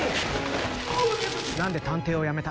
何で探偵をやめた？